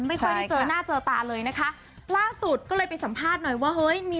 ไม่ค่อยได้เจอหน้าเจอตาเลยนะคะล่าสุดก็เลยไปสัมภาษณ์หน่อยว่าเฮ้ยมี